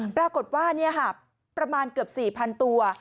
ปรากฏว่าประมาณเกือบ๔๐๐๐ตัว